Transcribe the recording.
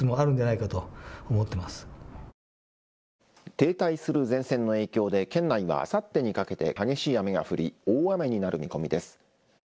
停滞する前線の影響で県内はあさってにかけて激しい雨が降り大雨になる見込みです。